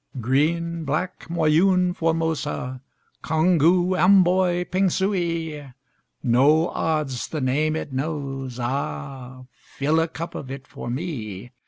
Green, Black, Moyune, Formosa, Congou, Amboy, Pingsuey No odds the name it knows ah! Fill a cup of it for me!